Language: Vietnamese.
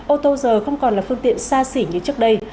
ô tô giờ không còn là phương tiện xa xỉ như trước đây